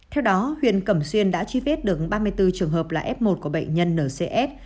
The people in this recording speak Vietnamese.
theo đó huyện cầm xuyên đã truy vết được ba mươi bốn trường hợp là f một của bệnh nhân n c s